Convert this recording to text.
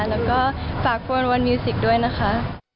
แล้วก็ฝากด้วยนะคะ